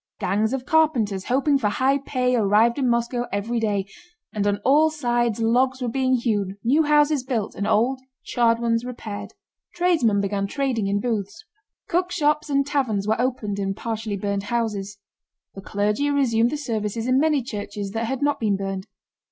Gangs of carpenters hoping for high pay arrived in Moscow every day, and on all sides logs were being hewn, new houses built, and old, charred ones repaired. Tradesmen began trading in booths. Cookshops and taverns were opened in partially burned houses. The clergy resumed the services in many churches that had not been burned.